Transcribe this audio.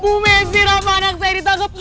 bu messi rafa anak saya ditangkap